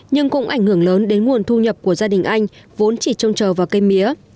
nhưng cũng ảnh hưởng lớn đến nguồn thu nhập của gia đình anh vốn chỉ trông chờ vào cây mía